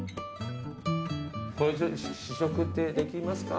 これ試食ってできますか？